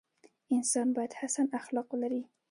انسان باید حسن اخلاق ولري.